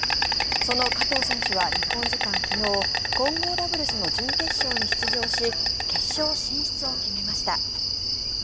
その加藤選手は日本時間昨日混合ダブルスの準決勝に出場し決勝進出を決めました。